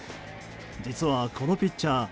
実は、このピッチャー